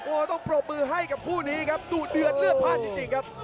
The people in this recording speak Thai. โอ้โหต้องปรบมือให้กับคู่นี้ครับดูเดือดเลือดพลาดจริงครับ